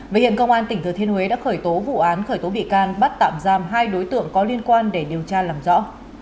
với hiện công an tỉnh thừa thiên huế đã khởi tố vụ án khởi tố bị can bắt tạm giam hai đối tượng có liên quan để điều tra làm rõ